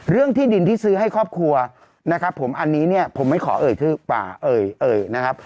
เรื่องดินที่ซื้อให้ครอบครัวอันนี้ผมไม่ขอเอ่ยทึ่โต